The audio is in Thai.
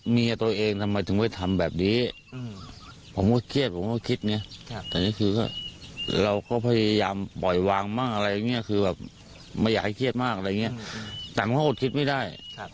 น้องต่อต่าวเด็ก๘เดือนที่หายไป